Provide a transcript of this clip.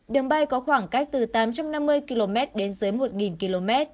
đường bay có khoảng cách từ tám trăm năm mươi km đến dưới một km